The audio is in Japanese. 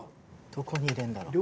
どこに入れるんだろう？